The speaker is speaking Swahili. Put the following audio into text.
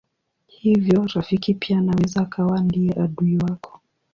Hivyo rafiki pia anaweza akawa ndiye adui wako.